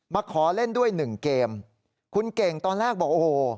มาขอเล่นด้วยหนึ่งเกมคุณเก่งตอนแรกบอกโอ้โห